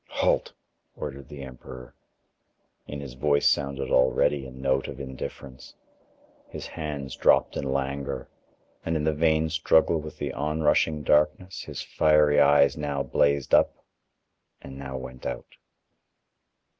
"Halt!" ordered the emperor. In his voice sounded already a note of indifference, his hands dropped in languor, and in the vain struggle with the onrushing darkness his fiery eyes now blazed up, and now went out.